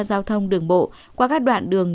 giao thông đường bộ qua các đoạn đường